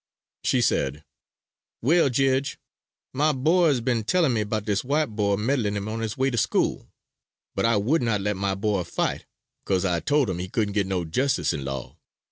She said, "Well, Jedge, my boy is ben tellin' me about dis white boy meddlin' him on his way to school, but I would not let my boy fight, 'cause I 'tole him he couldn't git no jestice in law.